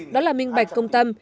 đó là minh bạch công tâm